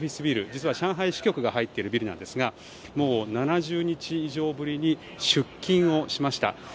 実は上海支局が入っているビルなんですがもう７０日以上ぶりに出勤をしました。